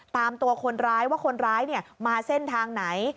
ตามตัวคนร้ายว่าคนร้ายมาเส้นทางไหน